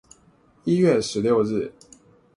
一月十六日